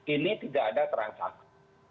ini tidak ada transaksi